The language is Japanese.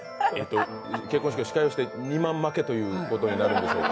結婚式の司会をして２万負けということになるんでしょうか。